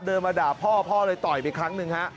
มาด่าพ่อพ่อเลยต่อยไปครั้งหนึ่งฮะ